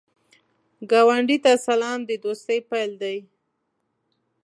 ګاونډي ته سلام، د دوستۍ پیل دی